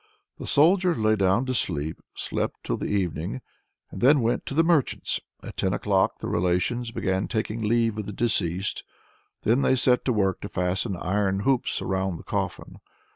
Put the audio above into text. The Soldier lay down to sleep, slept till the evening, and then went to the merchant's. At ten o'clock the relations began taking leave of the deceased; then they set to work to fasten iron hoops round the coffin.